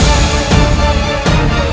jangan lupa menerima ayah anda